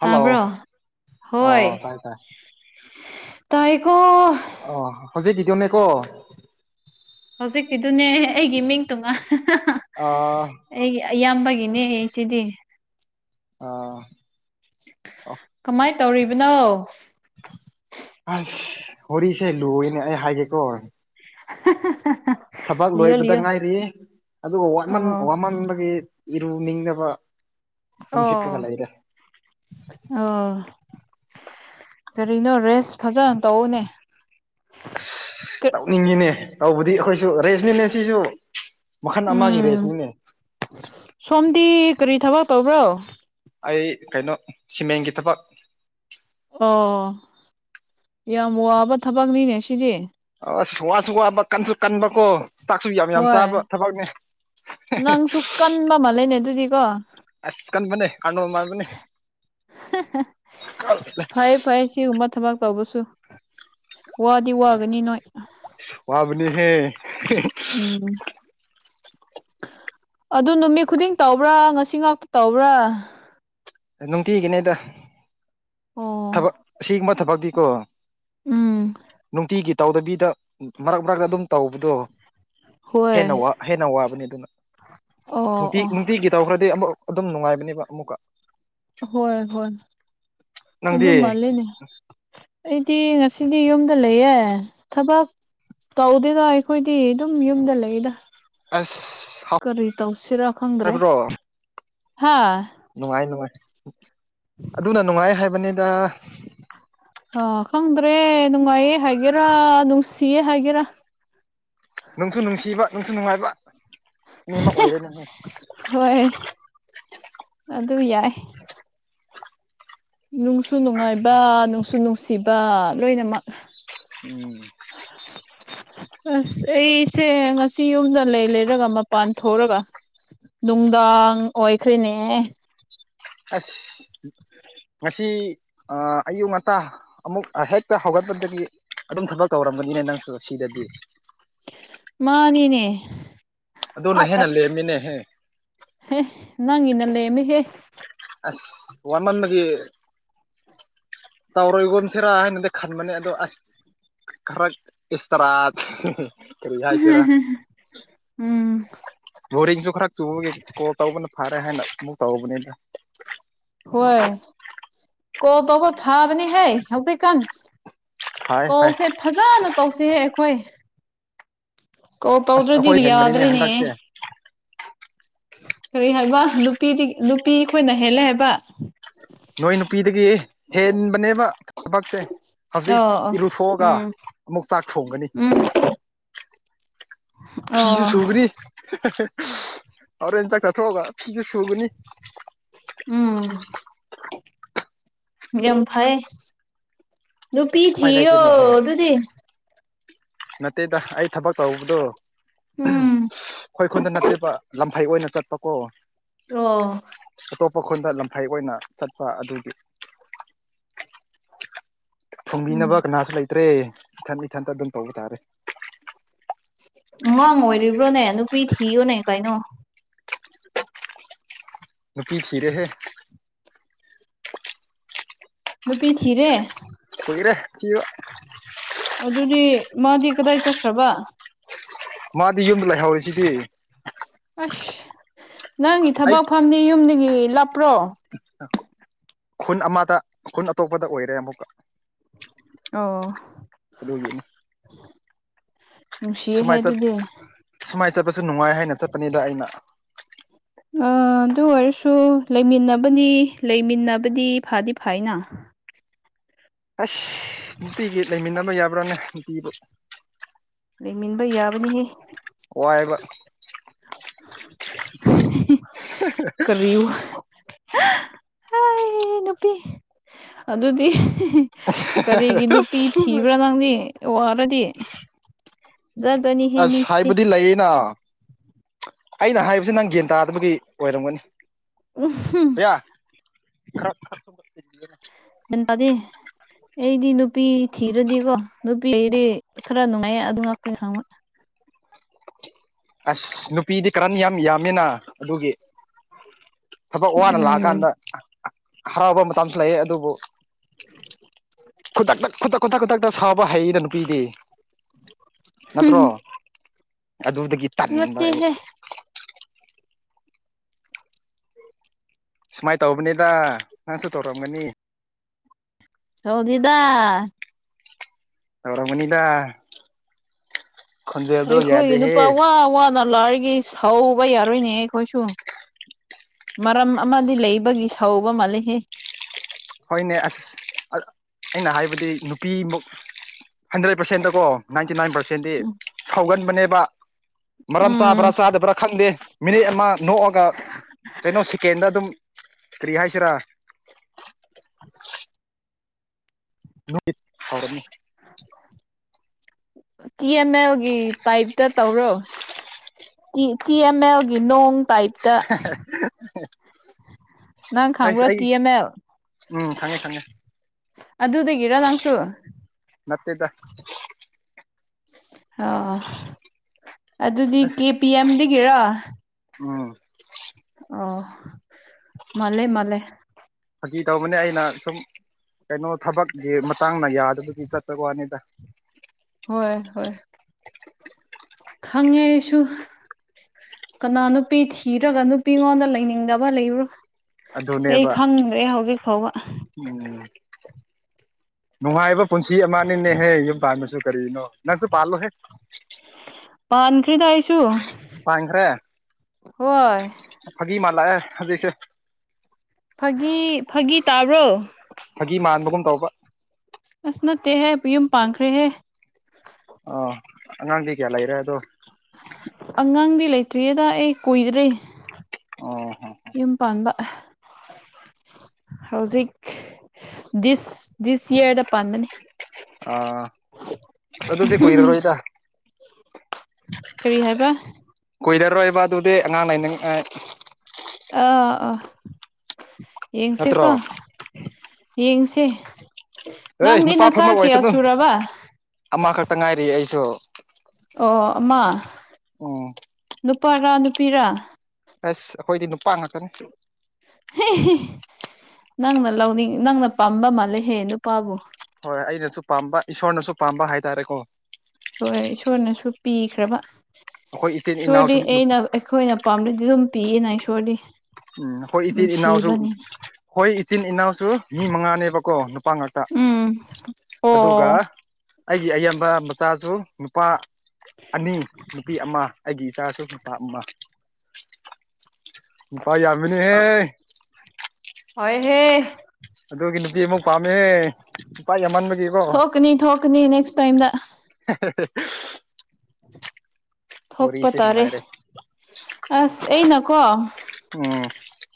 hello ꯇꯥꯕ꯭ꯔꯣ ꯍꯣꯏ ꯑꯣ ꯇꯥꯏ ꯇꯥꯏ ꯇꯥꯏꯀꯣ ꯑꯣ ꯍꯧꯖꯤꯛ ꯀꯤꯗꯨꯅꯦꯀꯣ ꯍꯧꯖꯤꯛꯀꯤꯗꯨꯅꯦ ꯑꯩꯒꯤ ꯃꯤꯡ ꯇꯣꯉꯥꯟ ꯑꯥ ꯑꯩ ꯑꯌꯥꯝꯕꯒꯤꯅꯦ ꯁꯤꯗꯤ ꯑꯥ ꯀꯃꯥꯏꯅ ꯇꯧꯔꯤꯕꯅꯣ ꯑꯁ ꯋꯥꯔꯤꯁꯦ ꯂꯨꯏꯌꯦꯅꯦ ꯑꯩ ꯍꯥꯏꯒꯦꯀꯣ ꯍꯥ ꯍꯥ ꯍꯥ ꯊꯕꯛ ꯂꯣꯏꯕꯗ ꯉꯥꯏꯔꯤꯌꯦ ꯑꯗꯨꯒ ꯑꯣ ꯋꯥꯃꯟꯕꯒꯤ ꯏꯔꯨ ꯅꯤꯡꯗꯕ ꯑꯣ ꯑꯣ ꯀꯔꯤꯅꯣ ꯔꯦꯁ ꯐꯖꯅ ꯇꯧꯑꫭꯅꯦ ꯑꯁ ꯇꯧꯅꯤꯡꯉꯤꯅꯦ ꯇꯧꯕꯗꯤ ꯑꯩꯈꯣꯏꯁꯨ ꯔꯦꯁꯅꯤꯅꯦ ꯁꯤꯁꯨ ꯃꯈꯟ ꯑꯃꯒꯤ ꯎꯝ ꯔꯦꯁꯅꯤꯅꯦ ꯁꯣꯝꯗꯤ ꯀꯔꯤ ꯊꯕꯛ ꯇꯧꯕ꯭ꯔꯣ ꯑꯩ ꯀꯩꯅꯣ ꯁꯤꯃꯦꯟꯒꯤ ꯊꯕꯛ ꯑꯣ ꯌꯥꯝ ꯋꯥꯕ ꯊꯕꯛꯅꯤꯅꯦ ꯁꯤꯗꯤ ꯑꫭ ꯑꯁ ꯋꯥꯁꯨ ꯋꯥꯕ ꯀꯟꯁꯨ ꯀꯟꯕꯀꯣ ꯆꯥꯛꯁꯨ ꯌꯥꯝ ꯌꯥꯝ ꯍꯣꯏ ꯆꯥꯕ ꯊꯕꯛꯅꯦ ꯅꯪꯁꯨ ꯀꯟꯕ ꯃꯥꯂꯦꯅꯦ ꯑꯗꯨꯗꯤꯀꯣ ꯑꯁ ꯀꯟꯕꯅꯦ ꯑꯥꯔꯅꯣꯜ ꯃꯥꯟꯕꯅꯦ ꯐꯩ ꯐꯩ ꯁꯤꯒꯨꯝꯕ ꯊꯕꯛ ꯇꯧꯕꯁꯨ ꯋꯥꯗꯤ ꯋꯥꯒꯅꯤ ꯅꯣꯏ ꯋꯥꯕꯅꯤꯍꯦ ꯎꯝ ꯑꯗꯨ ꯅꯨꯃꯤꯠ ꯈꯨꯗꯤꯡ ꯇꯧꯕ꯭ꯔꯥ ꯉꯁꯤ ꯉꯛ ꯇꯧꯕ꯭ꯔꯥ ꯅꯨꯡꯇꯤꯒꯤꯅꯦꯗ ꯑꯣ ꯊꯕꯛ ꯁꯤꯒꯨꯝꯕ ꯊꯕꯛꯇꯤꯀꯣ ꯎꯝ ꯅꯨꯡꯇꯤꯒꯤ ꯇꯧꯗꯕꯤꯗ ꯃꯔꯛ ꯃꯔꯛꯇ ꯑꯗꯨꯝ ꯇꯧꯕꯗꯣ ꯍꯣꯏ ꯍꯦꯟꯅ ꯋꯥ ꯍꯦꯟꯅ ꯋꯥꯕꯅꯤ ꯑꯗꯨꯅ ꯑꯣ ꯅꯨꯡꯇꯤ ꯑꯣ ꯅꯨꯡꯇꯤꯒꯤ ꯇꯧꯒ꯭ꯔꯗꯤ ꯑꯃꯨꯛ ꯑꯗꯨꯝ ꯅꯨꯡꯉꯥꯏꯕꯅꯦꯕ ꯑꯃꯨꯛꯀ ꯍꯣꯏ ꯍꯣꯏ ꯑꯗꯨ ꯅꯪꯗꯤ ꯃꯥꯜꯂꯤꯅꯦ ꯑꯩꯗꯤ ꯉꯁꯤꯗꯤ ꯌꯨꯝꯗ ꯂꯩꯌꯦ ꯊꯕꯛ ꯇꯧꯗꯦꯗ ꯑꯩꯈꯣꯏꯗꯤ ꯑꯗꯨꯝ ꯌꯨꯝꯗ ꯂꯩꯗ ꯑꯁ ꯍꯥꯎ ꯀꯔꯤ ꯇꯧꯁꯤꯔꯥ ꯈꯪꯗ꯭ꯔꯦ ꯍꯥꯏꯕ꯭ꯔꯣ ꯍꯥ ꯅꯨꯡꯉꯥꯏ ꯅꯨꯡꯉꯥꯏ ꯑꯗꯨꯅ ꯅꯨꯡꯉꯥꯏ ꯍꯥꯏꯕꯅꯤꯗ ꯑꯥ ꯈꯪꯗ꯭ꯔꯦ ꯅꯨꯡꯉꯥꯏꯌꯦ ꯍꯥꯏꯒꯦꯔꯥ ꯅꯨꯡꯁꯤꯌꯦ ꯍꯥꯏꯒꯦꯔꯥ ꯅꯨꯡꯁꯨ ꯅꯨꯡꯁꯤꯕ ꯅꯨꯡꯁꯨ ꯅꯨꯡꯉꯥꯏꯕ ꯑꯅꯤꯃꯛ ꯑꯣꯏꯔꯦꯅꯦꯍꯦ ꯍꯣꯏ ꯑꯗꯨ ꯌꯥꯏ ꯅꯨꯡꯁꯨ ꯅꯨꯡꯉꯥꯏꯕ ꯅꯨꯡꯁꯨ ꯅꯨꯡꯁꯤꯕ ꯂꯣꯏꯅꯃꯛ ꯎꯝ ꯑꯁ ꯑꯩꯁꯦ ꯉꯁꯤ ꯌꯨꯝꯗ ꯂꯩ ꯂꯩꯔꯒ ꯃꯄꯥꯟ ꯊꫭꯛꯔꯒ ꯅꯨꯡꯗꯥꯡ ꯑꯣꯏꯈ꯭ꯔꯦꯅꯦꯍꯦ ꯑꯁ ꯉꯁꯤ ꯑꯌꯨꯛ ꯉꯟꯇꯥ ꯑꯃꯨꯛ ꯍꯦꯛꯇ ꯍꯧꯒꯠꯄꯗꯒꯤ ꯑꯗꯨꯝ ꯊꯕꯛ ꯇꯧꯔꯝꯃꯅꯤꯅꯦ ꯅꯪꯁꯨ ꯑꯁꯤꯗꯗꯤ ꯃꯥꯅꯤꯅꯦ ꯑꯗꯨꯅ ꯍꯦꯟꯅ ꯂꯦꯝꯃꯤꯅꯦꯍꯦ ꯍꯦ ꯅꯪꯒꯤꯅ ꯂꯦꯝꯃꯤꯍꯦ ꯑꯁ ꯋꯥꯃꯟꯕꯒꯤ ꯇꯧꯔꯣꯏꯒꯨꯝꯁꯤꯔꯥ ꯍꯥꯏꯅꯗꯤ ꯈꯟꯕꯅꯦ ꯑꯗꯣ ꯑꯁ ꯈꯔꯛ ꯏꯁꯇꯔꯥ ꯀꯔꯤ ꯍꯥꯏꯁꯤꯔ ꯎꯝ ꯕꯣꯔꯤꯡꯖꯨ ꯈꯔ ꯆꯨꯕꯒꯤ ꯀꯣꯜ ꯇꯧꯕꯅ ꯐꯔꯦ ꯍꯥꯏꯅ ꯑꯃꯨꯛ ꯇꯧꯕꯅꯤꯗ ꯍꯣꯏ ꯀꯣꯜ ꯇꯧꯕ ꯐꯥꯕꯅꯤꯍꯦ ꯍꯧꯖꯤꯛ ꯀꯥꯟ ꯐꯩ ꯐꯩ ꯀꯣꯜꯁꯦ ꯐꯖꯅ ꯇꯧꯁꯤꯍꯦ ꯑꯩꯈꯣꯏ ꯀꯣꯜ ꯑꯁ ꯇꯧꯗ꯭ꯔꯗꯤ ꯑꯩꯈꯣꯏ ꯍꯦꯟꯕꯅꯤꯅꯦ ꯌꯥꯗ꯭ꯔꯦꯅꯦꯍꯦ ꯍꯟꯗꯛꯁꯦ ꯀꯔꯤ ꯍꯥꯏꯕ ꯅꯨꯄꯤꯗꯤ ꯅꯨꯄꯤ ꯑꯩꯈꯣꯏꯅ ꯍꯦꯜꯂꯦ ꯍꯥꯏꯕ ꯅꯣꯏ ꯅꯨꯄꯤꯗꯒꯤ ꯍꯦꯟꯕꯅꯦꯕ ꯊꯕꯛꯁꯦ ꯍꯧꯖꯤꯛ ꯑꯣ ꯑꯣ ꯏꯔꯨꯊꯣꯛꯑꯒ ꯎꯝ ꯑꯃꯨꯛ ꯆꯥꯛ ꯊꯣꯡꯒꯅꯤ ꯎꯝ ꯑꯣ ꯐꯤꯖꯨ ꯁꯨꯒꯅꯤ ꯍꫭꯔꯦꯟ ꯆꯥꯛ ꯆꯥꯊꯣꯛꯑꯒ ꯐꯤꯖꯨ ꯁꯨꯒꯅꯤ ꯎꯝ ꯌꯥꯝ ꯐꯩꯌꯦ ꯅꯨꯄꯤ ꯎꯄꯥꯏ ꯊꯤꯌꫭ ꯂꯩꯇꯦꯅꯦꯍꯦ ꯑꯗꯨꯗꯤ ꯅꯠꯇꯦꯗ ꯑꯩ ꯊꯕꯛ ꯇꯧꯕꯗꯨ ꯎꯝ ꯑꯩꯈꯣꯏ ꯈꯨꯟꯗ ꯅꯠꯇꯦꯕ ꯂꯝꯐꯩ ꯑꯣꯏꯅ ꯆꯠꯄꯀꯣ ꯑꯣ ꯑꯇꯣꯞꯄ ꯈꯨꯟꯗ ꯂꯝꯐꯩ ꯑꯣꯏꯅ ꯆꯠꯄ ꯑꯗꯨꯒꯤ ꯎꯝ ꯊꯣꯡꯕꯤꯅꯕ ꯀꯅꯥꯁꯨ ꯂꯩꯇ꯭ꯔꯦ ꯏꯊꯟ ꯏꯊꯟꯇ ꯑꯗꯨꯝ ꯇꯧꯕ ꯇꯥꯔꯦ ꯑꯉꯥꯡ ꯑꯣꯏꯔꯤꯕ꯭ꯔꯣꯅꯦ ꯅꯨꯄꯤ ꯊꯤꯌꯣꯅꯦ ꯀꯩꯅꯣ ꯅꯨꯄꯤ ꯊꯤꯔꯦ ꯍꯦ ꯅꯨꯄꯤ ꯊꯤꯔꯦ ꯀꯨꯏꯔꯦ ꯊꯤꯕ ꯑꯗꯨꯗꯤ ꯃꯥꯗꯤ ꯀꯗꯥꯏ ꯆꯠꯈ꯭ꯔꯕ ꯃꯥꯗꯤ ꯌꯨꯝꯗ ꯂꯩꯍꯧꯔꯤꯖꯤꯗꯤ ꯑꯁ ꯅꯪꯒꯤ ꯑꯩ ꯊꯕꯛ ꯐꯝꯗꯤ ꯌꯨꯝꯗꯒꯤ ꯂꯥꯞꯄ꯭ꯔꯣ ꯈꯨꯟ ꯑꯃꯗ ꯈꯨꯟ ꯑꯇꯣꯞꯄꯗ ꯑꯣꯏꯔꯦ ꯑꯃꯨꯛꯀ ꯑꯧ ꯑꯗꯨꯒꯤꯅꯤ ꯅꯨꯡꯁꯤꯍꯦ ꯁꯨꯃꯥꯏ ꯆꯠ ꯑꯗꯨꯗꯤ ꯁꯨꯃꯥꯏ ꯆꯠꯄꯁꯨ ꯅꯨꯡꯉꯥꯏ ꯍꯥꯏꯅ ꯆꯠꯄꯅꯤꯗ ꯑꯩꯅ ꯑ ꯑꯗꯨ ꯑꯣꯏꯔꯁꯨ ꯂꯩꯃꯤꯟꯅꯕꯅꯤ ꯂꯩꯃꯤꯟꯅꯕꯗꯤ ꯐꯗꯤ ꯐꯩꯅ ꯑꯁ ꯅꯨꯡꯇꯤꯒꯤ ꯂꯩꯃꯤꯟꯅꯕ ꯌꯥꯕ꯭ꯔꯥꯅꯦ ꯅꯨꯄꯤꯕꯨ ꯂꯩꯃꯤꯟꯕ ꯌꯥꯕꯅꯤꯍꯦ ꯋꯥꯏꯕ ꯀꯔꯤꯋꯥ [unintelligible] ꯑꯩ ꯅꯨꯄꯤ ꯑꯗꯨꯗꯤ ꯀꯔꯤꯒꯤ ꯅꯨꯄꯤ ꯊꯤꯕ꯭ꯔꯥ ꯅꯪꯗꯤ ꯋꯥꯔꯗꯤ ꯖꯥꯠ ꯖꯥꯠꯅꯤꯍꯦ ꯑꯁ ꯃꯤꯁꯦ ꯍꯥꯏꯕꯗꯤ ꯂꯩꯌꯦꯅ ꯑꯩꯅ ꯍꯥꯏꯕꯁꯤ ꯅꯪ ꯒꯟ ꯇꯥꯗꯕꯒꯤ ꯑꯣꯏꯔꯝꯒꯅꯤ ꯎꯝ ꯍꯨꯝ ꯄꯌꯥ [unintelligible] ꯒꯌꯥꯟ ꯇꯥꯗꯦ ꯑꯩꯗꯤ ꯅꯨꯄꯤ ꯊꯤꯔꯗꯤꯀꯣ ꯅꯨꯄꯤ [unintelligible] ꯈꯔ ꯅꯨꯡꯉꯥꯏꯌꯦ ꯑꯗꯨ ꯉꯥꯛꯇꯅꯤ ꯈꯪꯕ ꯑꯁ ꯅꯨꯄꯤꯗꯤ ꯀꯔꯟ ꯑꯁꯤ ꯌꯥꯝ ꯌꯥꯝꯃꯤꯅ ꯑꯗꯨꯒꯤ ꯊꯕꯛ ꯋꯥꯅ ꯎꯝ ꯂꯥꯛꯑꯀꯥꯟꯗ ꯍꯔꯥꯎꯕ ꯃꯇꯝꯁꯨ ꯂꯩ ꯑꯗꯨꯕꯨ ꯈꯨꯗꯛꯇ ꯈꯨꯗꯛ ꯈꯨꯗꯛ ꯈꯨꯗꯛꯇ ꯁꯎꯕ ꯍꯩꯌꯦꯗ ꯅꯨꯄꯤꯗꯤ ꯅꯠꯇ꯭ꯔꯣ ꯑꯗꯨꯗꯒꯤ ꯇꯟꯕ ꯑꯩ ꯅꯥꯠꯇꯦꯍꯦ ꯁꯨꯃꯥꯏ ꯇꯧꯕꯅꯤꯗ ꯅꯪꯁꯨ ꯇꯧꯔꯝꯒꯅꯤ ꯇꯧꯗꯦꯗ ꯇꯧꯔꯝꯒꯅꯤꯗꯥ ꯑꯩꯈꯣꯏ ꯅꯨꯄꯥ ꯋꯥ ꯋꯥꯅ ꯂꯥꯛꯏꯔꯒꯤ ꯁꯧꯕ ꯌꯥꯔꯣꯏꯅꯦ ꯑꯩꯈꯣꯏꯁꯨ ꯃꯔꯝ ꯑꯃꯗꯤ ꯂꯩꯕꯒꯤ ꯁꯧꯕ ꯃꯥꯜꯂꯤꯍꯦ ꯍꯣꯏꯅꯦ ꯑꯁ ꯑꯩꯅ ꯍꯥꯏꯕꯗꯤ ꯅꯨꯄꯤꯃꯨꯛ ꯍꯟꯗ꯭ꯔꯦꯠ ꯄꯥꯔꯁꯦꯟꯗꯀꯣ ꯅꯥꯏꯟꯇꯤ ꯅꯥꯏꯟ ꯄꯥꯔꯁꯦꯟꯗꯤ ꯁꯥꯎꯒꯟꯕꯅꯦꯕ ꯃꯔꯝ ꯆꯥꯕ꯭ꯔꯥ ꯎꯝ ꯆꯥꯗꯕ꯭ꯔꯥ ꯈꯪꯗꯦ ꯃꯤꯅꯤꯠ ꯑꯃ ꯅꯣꯛꯑꯒ ꯀꯩꯅꯣ ꯁꯦꯀꯦꯟꯗ ꯑꯗꯨꯝ ꯀ꯭ꯔꯤ ꯍꯥꯏꯁꯤꯔꯥ [unintelligible] ꯇꯤ ꯑꯦꯝ ꯑꯦꯜꯒꯤ ꯇꯥꯏꯞꯇ ꯇꯧꯔꯣ ꯇꯤ ꯇꯤ ꯑꯦꯝ ꯑꯦꯜꯒꯤ ꯅꯣꯡ ꯇꯥꯏꯞ [inaudible] ꯅꯪ ꯑꯩꯁ ꯈꯪꯕ꯭ꯔꯣ ꯑꯩ ꯇꯤ ꯑꯦꯝ ꯑꯦꯜ ꯎꯝ ꯈꯪꯉꯦ ꯈꯪꯉꯦ ꯑꯗꯨꯗꯒꯤꯔ ꯅꯪꯁꯨ ꯅꯠꯇꯦꯗ ꯑꯣ ꯑꯗꯨꯗꯤ ꯀꯦ ꯄꯤ ꯑꯦꯝꯗꯒꯤꯔꯣ ꯑ ꯑꯣ ꯃꯂꯦ ꯃꯂꯦ ꯐꯥꯒꯤ ꯇꯧꯕꯅꯤ ꯑꯩꯅ ꯁꯨꯝ ꯀꯩꯅꯣ ꯊꯕꯛꯀꯤ ꯃꯇꯥꯡꯅ ꯌꯥꯗꯕꯒꯤ ꯆꯠꯄꯒꯤ ꯋꯥꯅꯤꯗ ꯍꯣꯏ ꯍꯣꯏ ꯈꯪꯉꯦ ꯑꯩꯁꯨ ꯀꯅꯥ ꯅꯨꯄꯤ ꯊꯤꯔꯒ ꯅꯨꯄꯤꯉꯣꯟꯗ ꯂꯩꯅꯤꯡꯗꯕ ꯂꯩꯕ꯭ꯔꯣ ꯑꯩ ꯑꯗꯨꯅꯦꯕ ꯈꯪꯗ꯭ꯔꯦ ꯍꯧꯖꯤꯛ ꯐꯥꯎꯕ ꯎꯝ ꯅꯨꯡꯉꯥꯏꯕ ꯄꯨꯟꯁꯤ ꯑꯃꯅꯤꯅꯦꯍꯦ ꯌꯨꯝ ꯄꯥꯟꯕꯁꯨ ꯀꯔꯤꯅꯣ ꯅꯪꯁꯨ ꯄꯥꯜꯂꯣꯍꯦ ꯄꯟꯈ꯭ꯔꯤꯗ ꯑꯩꯁꯨ ꯄꯥꯡꯈ꯭ꯔꯦ ꯍꯣꯏ ꯐꯥꯒꯤ ꯃꯥꯜꯂꯛꯑꯦ ꯍꯧꯖꯤꯛꯁꯦ ꯐꯥꯒꯤ ꯐꯥꯒꯤ ꯇꯥꯕ꯭ꯔꯣ ꯐꯥꯒꯤ ꯃꯥꯟꯕꯒꯨꯝ ꯇꯧꯕ ꯑꯁ ꯅꯠꯇꯦꯍꯦ ꯌꯨꯝ ꯄꯥꯟꯈ꯭ꯔꯦꯍꯦ ꯑ ꯑꯉꯥꯡꯗꯤ ꯀꯌꯥ ꯂꯩꯔꯦ ꯑꯗꯣ ꯑꯉꯥꯡꯗꯤ ꯂꯩꯇ꯭ꯔꯤꯗ ꯑꯩ ꯀꯨꯏꯗ꯭ꯔꯤ ꯑꯣ ꯍꯣ ꯌꯨꯝ ꯄꯥꯟꯕ ꯍꯧꯖꯤꯛ ꯗꯤꯁ ꯗꯤꯁ ꯏꯌꯔꯗ ꯄꯥꯟꯕꯅꯦ ꯑꯥ ꯑꯗꯨꯗꯤ ꯀꯨꯏꯔꯔꯣꯏꯗ ꯀꯔꯤ ꯍꯥꯏꯕ ꯀꯨꯏꯔꯔꯣꯏꯕ ꯑꯗꯨꯗꯤ ꯑꯉꯥꯡ ꯂꯩꯅꯤꯡꯉ ꯑꯣ ꯑꯣ ꯌꯦꯡꯁꯦ ꯅꯠꯇ꯭ꯔꯣ ꯀꯣ ꯌꯦꯡꯁꯦ ꯑꯦ ꯅꯪꯗꯤ ꯅꯨꯄꯥ ꯅꯆꯥ ꯐꯝꯃ ꯀꯌꯥ ꯑꯣꯏꯁꯅꯨ ꯁꯨꯔꯕ ꯑꯃꯈꯛꯇ ꯉꯥꯏꯔꯤ ꯑꯩꯁꯨ ꯑꯣ ꯑꯃ ꯎꯝ ꯅꯨꯄꯥꯔꯥ ꯅꯨꯄꯤꯔꯥ ꯑꯁ ꯑꯩꯈꯣꯏꯗꯤ ꯅꯨꯄꯥ ꯉꯥꯛꯇꯅꯤ ꯅꯪꯅ ꯂꯧꯅꯤꯡ ꯅꯪꯅ ꯄꯝꯕ ꯃꯥꯜꯂꯦꯍꯦ ꯅꯨꯄꯥꯕꯨ ꯍꯣꯏ ꯑꯩꯅꯁꯨ ꯄꯥꯝꯕ ꯏꯁꯣꯔꯅꯁꯨ ꯄꯥꯝꯕ ꯍꯥꯏꯇꯥꯔꯦꯀꯣ ꯍꯣꯏ ꯏꯁꯣꯔꯅꯁꯨ ꯄꯤꯈ꯭ꯔꯕ ꯑꯩꯈꯣꯏ ꯏꯆꯤꯟ ꯏꯁꯣꯔꯗꯤ ꯏꯅꯥꯎꯁꯨ ꯑꯩꯅ ꯑꯩꯈꯣꯏꯅ ꯄꯥꯝꯔꯗꯤ ꯑꯗꯨꯝ ꯄꯤꯌꯦꯅ ꯏꯁꯣꯔꯗꯤ ꯎꯝ ꯑꯩꯈꯣꯏ ꯏꯆꯤꯜ ꯏꯅꯥꯎꯁꯨ ꯅꯨꯡꯁꯤꯕꯅꯤ ꯍꯣꯏ ꯏꯆꯤꯟ ꯏꯅꯥꯎꯁꯨ ꯃꯤ ꯃꯉꯥꯅꯦꯕꯀꯣ ꯅꯨꯄꯥ ꯉꯥꯛꯇ ꯎꯝ ꯑꯗꯨꯒ ꯑꯣ ꯑꯩꯒꯤ ꯑꯌꯥꯝꯕ ꯃꯆꯥꯁꯨ ꯅꯨꯄꯥ ꯑꯅꯤ ꯅꯨꯄꯤ ꯑꯃ ꯑꯩꯒꯤ ꯏꯆꯥꯁꯨ ꯅꯨꯄꯥ ꯑꯃ ꯅꯨꯄꯥ ꯌꯥꯝꯕꯅꯦꯍꯦ ꯍꯣꯏꯍꯦ ꯑꯗꯨꯒꯤ ꯅꯨꯄꯤ ꯑꯃꯨꯛ ꯄꯥꯝꯃꯦ ꯅꯨꯄꯥ ꯌꯥꯝꯃꯟꯕꯒꯤꯀꯣ ꯊꯣꯛꯀꯅꯤ ꯊꯣꯛꯀꯅꯤ ꯅꯦꯛꯁ ꯇꯥꯏꯝꯗ [unintelligible] ꯊꯣꯛꯄ ꯋꯥꯔꯤꯁꯦ ꯇꯥꯔꯦ ꯅꯨꯡꯉꯥꯏꯔꯦ ꯑꯁ ꯑꯩꯅꯀꯣ ꯎꯝ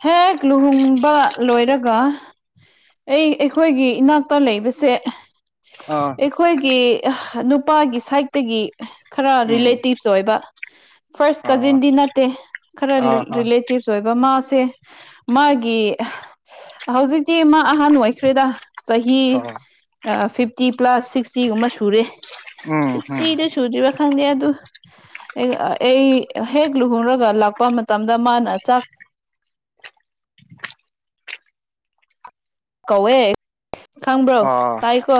ꯍꯦꯛ ꯂꯨꯍꯣꯡꯕ ꯂꯣꯏꯔꯒ ꯑꯩ ꯑꯩꯈꯣꯏꯒꯤ ꯏꯅꯥꯛꯇ ꯂꯩꯕꯁꯦ ꯑꯥ ꯑꯩꯈꯣꯏꯒꯤ ꯅꯨꯄꯥꯒꯤ ꯁꯥꯏꯗꯠꯇꯒꯤ ꯈꯔ ꯎꯝ ꯔꯤꯂꯦꯇꯤꯞ ꯆꯣꯏꯕ ꯐꯥꯔꯁ ꯑꯥ ꯀꯖꯤꯟꯗꯤ ꯅꯠꯇꯦ ꯈꯔ ꯑꯥ ꯍꯥ ꯔꯤꯂꯦꯇꯤꯞ ꯁꯣꯏꯕ ꯃꯥꯁꯦ ꯃꯥꯒꯤ ꯍꯧꯖꯤꯛꯇꯤ ꯃꯥ ꯑꯍꯥꯟꯕ ꯑꯣꯏꯈ꯭ꯔꯦꯗ ꯆꯍꯤ ꯑꯥ ꯐꯤꯐꯇꯤ ꯄ꯭ꯂꯁ ꯁꯤꯛ ꯁꯤꯛꯁꯇꯤꯒꯨꯝꯕ ꯁꯨꯔꯦ ꯎꯝ ꯎꯝ ꯁꯤꯛꯁꯇꯤꯗꯤ ꯁꯨꯗ꯭ꯔꯤꯕꯥ ꯈꯪꯗꯦ ꯑꯗꯨ ꯑꯩ ꯍꯦꯛ ꯂꯨꯍꯣꯡꯔꯒ ꯂꯥꯛꯄ ꯃꯇꯝꯗ ꯃꯥꯅ ꯆꯥꯛ ꯀꯧꯋꯦ ꯈꯪꯕ꯭ꯔꯣ ꯑꯥ ꯇꯥꯏꯀꯣ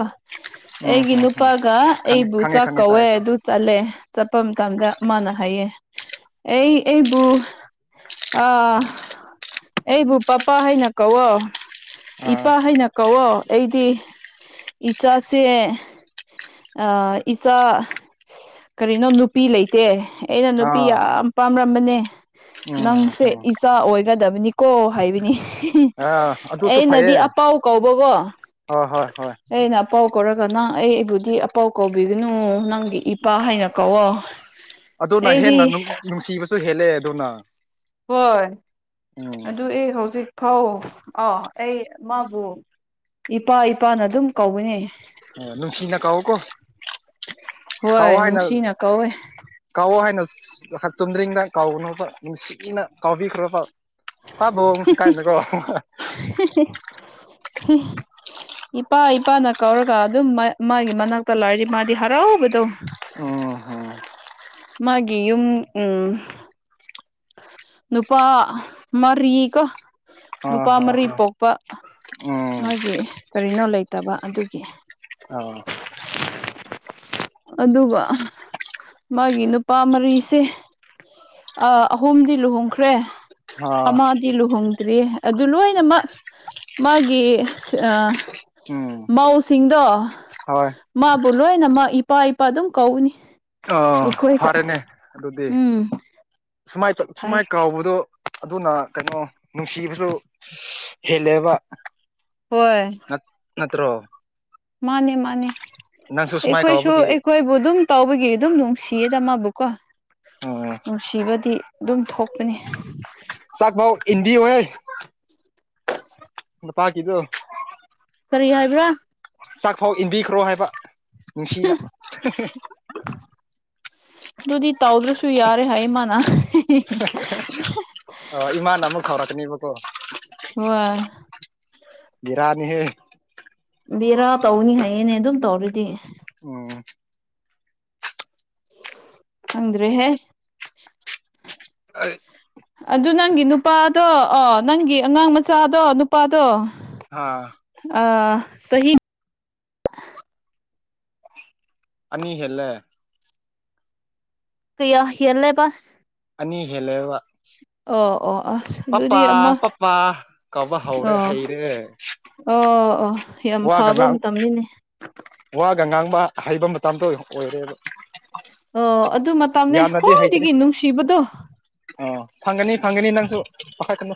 ꯎꯝ ꯑꯩꯒꯤ ꯍꯝ ꯍꯝ ꯅꯨꯄꯥꯒ ꯈꯪꯉꯦ ꯑꯩꯕꯨ ꯈꯪꯉꯦ ꯆꯥꯛ ꯈꯪꯉꯦ ꯀꯧꯋꯦ ꯇꯥꯏ ꯇꯥꯏ ꯑꯗꯨ ꯆꯠꯂꯦ ꯆꯠꯄ ꯃꯇꯝꯗ ꯃꯥꯅ ꯍꯥꯏꯌꯦ ꯑꯩ ꯑꯩꯕꯨ ꯑꯥ ꯑꯩꯕꯨ ꯄꯄꯥ ꯍꯥꯏꯅ ꯀꯧꯋꯣ ꯑꯥ ꯏꯄꯥ ꯍꯥꯏꯅ ꯀꯧꯣ ꯑꯩꯗꯤ ꯏꯆꯥꯁꯦ ꯑ ꯏꯆꯥ ꯀꯔꯤꯅꯣ ꯅꯨ ꯅꯨꯄꯤ ꯂꯩꯇꯦ ꯑꯩꯅ ꯅꯨꯄꯤ ꯑꯥ ꯌꯥꯝ ꯄꯥꯝꯔꯝꯕꯅꯦ ꯎꯝ ꯅꯪꯁꯦ ꯎꯝ ꯏꯆꯥ ꯑꯣꯏꯒꯗꯕꯅꯤꯀꯣ ꯍꯥꯏꯕꯅꯤ ꯑꯥ ꯑꯗꯨꯁꯨ ꯐꯩꯌꯦ ꯑꯩꯅꯗꯤ ꯑꯄꯥꯎ ꯀꯧꯕꯀꯣ ꯍꯣꯏ ꯍꯣꯏ ꯍꯣꯏ ꯑꯩꯅ ꯄꯥꯎ ꯀꯧꯔꯒ ꯅꯪ ꯑꯩ ꯑꯩꯕꯨꯗꯤ ꯏ ꯑꯄꯥꯎ ꯀꯧꯕꯤꯒꯅꯨ ꯅꯪꯒꯤ ꯏꯄꯥ ꯍꯥꯏꯅ ꯀꯧꯋꯣ ꯑꯗꯨꯅ ꯍꯦꯟꯅ ꯑꯩꯗꯤ ꯅꯨꯡꯁꯤꯕꯁꯨ ꯍꯦꯜꯂꯦ ꯑꯗꯨꯅ ꯍꯣꯏ ꯎꯝ ꯑꯗꯨ ꯑꯩ ꯍꯧꯖꯤꯛ ꯐꯥꯎ ꯑꯥꯎ ꯑꯩ ꯃꯥꯕꯨ ꯏꯄꯥ ꯏꯄꯥꯅ ꯑꯗꯨꯝ ꯀꯧꯕꯅꯦ ꯑꯣ ꯅꯨꯡꯁꯤꯅ ꯀꯧꯋꯣ ꯀꯣ ꯀꯧꯑꯣ ꯍꯣꯏ ꯍꯥꯏꯅ ꯅꯨꯡꯁꯤꯅ ꯀꯧꯋꯦ ꯀꯧꯑꯣ ꯍꯥꯏꯅ ꯆꯨꯝꯗ꯭ꯔꯤꯡꯅ ꯀꯧꯒꯅꯣꯕ ꯅꯨꯡꯁꯤꯅ ꯀꯧꯕꯤꯈ꯭ꯔꯣꯕ ꯄꯥꯕꯨꯡ ꯀꯥꯏꯅꯀꯣ [unintelligible] ꯏꯄꯥ ꯏꯄꯥꯅ ꯀꯧꯔꯒ ꯑꯗꯨꯝ ꯃꯥꯒꯤ ꯃꯅꯥꯛꯇ ꯂꯩꯥꯏꯔꯗꯤ ꯃꯥꯗꯤ ꯍꯔꯥꯎꯕꯗꯧ ꯎꯝ ꯍꯝ ꯃꯥꯒꯤ ꯌꯨꯝ ꯎ ꯅꯨꯄꯥ ꯃꯔꯤ ꯀ ꯑ ꯅꯨꯄꯥ ꯍ ꯃꯔꯤ ꯍ ꯄꯣꯛꯄ ꯎꯝ ꯃꯥꯒꯤ ꯀꯔꯤꯅꯣ ꯂꯩꯇꯕ ꯑꯗꯨꯒꯤ ꯑ ꯑꯗꯨꯒ ꯃꯥꯒꯤ ꯅꯨꯄꯥ ꯃꯔꯤꯁꯦ ꯑ ꯑꯍꯨꯝꯗꯤ ꯂꯨꯍꯣꯡꯈ꯭ꯔꯦ ꯑ ꯑꯃ ꯁꯤ ꯂꯨꯍꯣꯡꯗ꯭ꯔꯤ ꯑꯗꯨ ꯂꯣꯏꯅꯃꯛ ꯃꯥꯒꯤ ꯎꯝ ꯃꯧꯁꯤꯡꯗꯣ ꯍꯣꯏ ꯃꯥꯕꯨ ꯂꯣꯏꯅ ꯃꯥ ꯏꯄꯥ ꯏꯄꯥ ꯑꯗꯨꯝ ꯀꯧꯅꯤ ꯑꯥ ꯑꯩꯈꯣꯏꯒ ꯐꯔꯦꯅꯦ ꯑꯗꯨꯗꯤ ꯎꯝ ꯁꯨꯃꯥꯏ ꯐꯩ ꯁꯨꯃꯥꯏ ꯀꯥꯎꯕꯗꯣ ꯑꯗꯨꯅ ꯀꯩꯅꯣ ꯅꯨꯡꯁꯤꯕꯁꯨ ꯍꯦꯜꯂꯦꯕ ꯍꯣꯏ ꯅ ꯅꯠꯇꯣ ꯃꯥꯅꯤ ꯃꯥꯅꯤ ꯁꯨꯃꯥꯏ ꯑꯩꯈꯣꯏꯁꯨ ꯀꯧꯕꯒꯤ ꯑꯩꯈꯣꯏꯕꯨ ꯑꯗꯨꯝ ꯇꯧꯕꯒꯤ ꯑꯗꯨꯝ ꯅꯨꯡꯁꯤꯌꯦꯗ ꯃꯥꯕꯨꯀꯣ ꯎꯝ ꯅꯨꯡꯁꯤꯕꯗꯤ ꯑꯗꯨꯝ ꯊꯣꯛꯄꯅꯤ ꯆꯥꯛꯚꯥꯎ ꯏꯟꯗꯤ ꯑꯣꯏ ꯏ ꯄꯥꯀꯤꯗꯨꯣ ꯀꯔꯤ ꯍꯥꯏꯕ꯭ꯔꯥ ꯆꯥꯛꯐꯥꯎ ꯏꯟꯕꯤꯈ꯭ꯔꯣ ꯍꯥꯏꯕ ꯅꯨꯡꯁꯤꯅ ꯑꯗꯨꯗꯤ ꯇꯧꯗ꯭ꯔꯁꯨ ꯌꯥꯔꯦ ꯍꯥꯏ ꯏꯃꯅ ꯑ ꯏꯃꯥꯅ ꯑꯃꯨꯛ ꯈꯥꯎꯔꯛꯀꯅꯦꯕꯀꯣ ꯋꯥ ꯕꯤꯔꯥꯅꯤ ꯍꯦ ꯕꯦꯔꯥ ꯇꯧꯅꯤ ꯍꯥꯏꯌꯦꯅꯦ ꯑꯗꯨꯝ ꯇꯧꯔꯗꯤ ꯎꯝ ꯑꯗ꯭ꯔꯦ ꯍꯥꯏ ꯑꯗꯨ ꯅꯪꯒꯤ ꯅꯨꯄꯥꯗꯣ ꯑꯣ ꯅꯪꯒꯤ ꯑꯉꯥꯡ ꯃꯆꯥꯗꯣ ꯅꯨꯄꯥꯗꯣ ꯍꯥ ꯑ ꯀꯍꯤ ꯑꯅꯤ ꯍꯦꯜꯂꯦ ꯀꯌꯥ ꯌꯦꯂꯦꯕ ꯑꯅꯤ ꯍꯦꯜꯂꯕ ꯑꯣ ꯑꯣ ꯑꯥ ꯄꯄꯥ ꯄꯄꯥ ꯀꯧꯕꯕꯥ ꯍꯧꯔꯦ ꯑꯣ ꯍꯩꯔꯦ ꯑꯣ ꯑꯣ ꯌꯥꯝ ꯋꯥꯒ ꯐꯕ ꯉꯥꯡ ꯃꯇꯝꯅꯤꯅꯦ ꯋꯥꯒ ꯉꯥꯡꯕ ꯍꯩꯕ ꯃꯇꯝꯗꯣ ꯑꯣꯏꯔꯦꯕ ꯑꯣ ꯑꯗꯨ ꯃꯇꯝꯅꯦ ꯈ꯭ꯋꯥꯏꯗꯒꯤ ꯅꯨꯡꯁꯤꯕꯗꯣ ꯑꯣ ꯐꯪꯒꯅꯤ ꯐꯪꯒꯅꯤ ꯅꯪꯁꯨ ꯄꯈꯠꯀꯅꯨ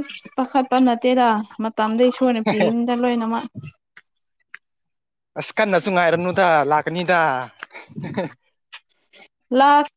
ꯑꯁ ꯄꯥꯈꯠꯄ ꯅꯠꯇꯦꯗ ꯃꯇꯝꯗ ꯏꯁꯣꯔꯅꯥ ꯄꯤꯅꯤꯗ ꯂꯣꯏꯅꯃꯛ ꯑꯁ ꯀꯟꯅꯁꯨ ꯉꯥꯏꯔꯅꯨꯗ ꯂꯥꯛꯀꯅꯤꯗ ꯂꯥꯛꯥꯛ